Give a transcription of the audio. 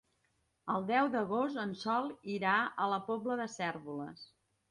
El deu d'agost en Sol irà a la Pobla de Cérvoles.